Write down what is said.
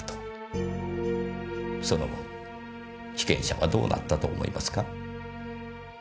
その後被験者はどうなったと思いますか？